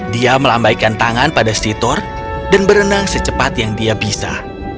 dia melambaikan tangan pada sitor dan berenang secepat yang dia bisa